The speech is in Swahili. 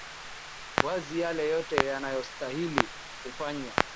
wazi yale yote yanayostahili kufanywa